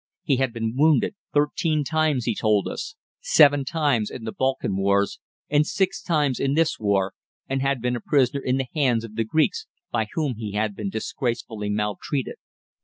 He had been wounded thirteen times he told us, seven times in the Balkan wars and six times in this war, and had been a prisoner in the hands of the Greeks, by whom he had been disgracefully maltreated.